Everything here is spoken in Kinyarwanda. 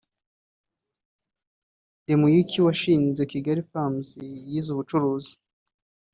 Demuynck washinze Kigali Farms yize ubucuruzi